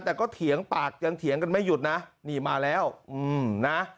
แต่ก็เถียงปากยังเถียงกันไม่หยุดนะนี่มาแล้วนะ